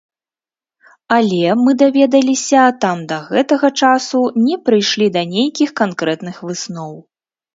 Але, мы даведаліся, там да гэтага часу не прыйшлі да нейкіх канкрэтных высноў.